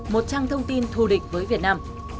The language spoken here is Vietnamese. một trang thông tin thù địch với việt nam